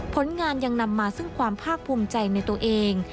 ผลงานยังนำมาซึ่งความภาคภูมิใจในตัวเอง